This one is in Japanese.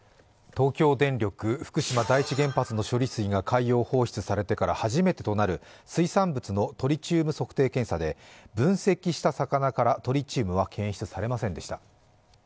東京電力福島第一原発の処理水が海洋放出されてから初めてとなる水産物のトリチウム測定検査で分析した魚からトリチウムは検出されませんでした。